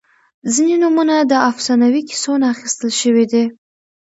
• ځینې نومونه د افسانوي کیسو نه اخیستل شوي دي.